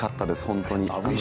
本当に。